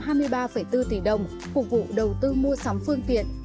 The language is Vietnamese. hỗ trợ hai trăm hai mươi ba bốn tỷ đồng phục vụ đầu tư mua sắm phương tiện